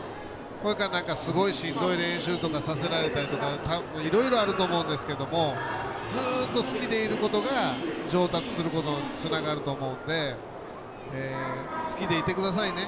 それから、すごくしんどい練習とかさせられたりとかいろいろあると思うんですけどもずっと好きでいることが上達することにつながると思うので好きでいてくださいね。